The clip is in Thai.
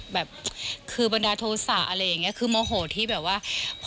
แบบคือบันดาลโทษะอะไรอย่างนี้คือโมโหที่แบบว่า